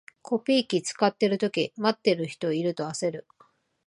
コピー機使ってるとき、待ってる人いると焦る